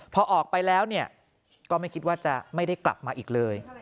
พอออกไปแล้วก็ไม่คิดว่าจะไม่ได้กลับมาอีกเลย